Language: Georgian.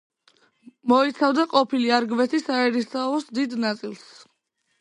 მოიცავდა ყოფილი არგვეთის საერისთავოს დიდ ნაწილს.